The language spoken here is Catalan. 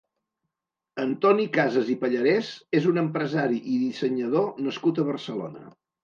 Antoni Cases i Pallarès és un empresari i dissenyador nascut a Barcelona.